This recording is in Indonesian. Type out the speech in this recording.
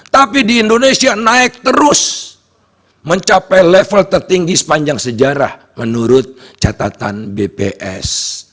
tapi di indonesia naik terus mencapai level tertinggi sepanjang sejarah menurut catatan bps